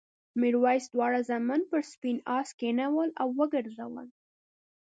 میرويس دواړه زامن پر سپین آس کېنول او وګرځول.